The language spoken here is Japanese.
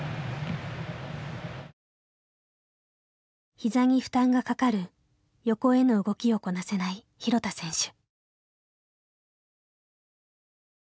ひざに負担がかかる横への動きをこなせない廣田選手。